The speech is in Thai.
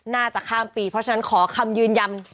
น่าจะข้ามปีเพราะฉะนั้นขอคำยืนยำ